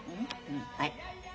はい。